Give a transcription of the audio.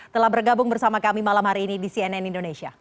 telah bergabung bersama kami malam hari ini di cnn indonesia